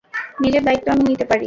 নিজের দায়িত্ব আমি নিতে পারি।